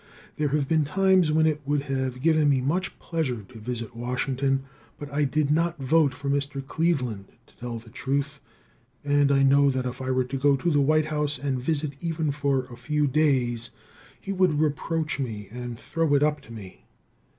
There have been times when it would have given me much pleasure to visit Washington, but I did not vote for Mr. Cleveland, to tell the truth, and I know that if I were to go to the White House and visit even for a few days, he would reproach me and throw it up to me.